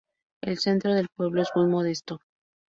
El centro del pueblo es muy modesto.